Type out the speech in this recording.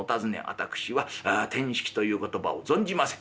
私はてんしきという言葉を存じません。